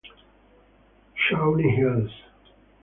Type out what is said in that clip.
Shawnee Hills